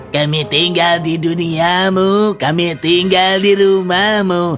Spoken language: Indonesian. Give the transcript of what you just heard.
kami tinggal di duniamu kami tinggal di rumahmu